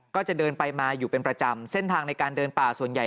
ก็จะเดินไปมาอยู่เป็นประจำเส้นทางในการเดินป่าส่วนใหญ่